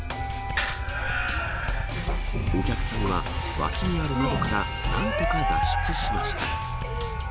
お客さんは脇にある窓からなんとか脱出しました。